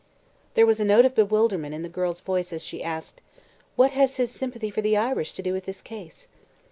There was a note of bewilderment in the girl's voice as she asked: "What has his sympathy for the Irish to do with this case?"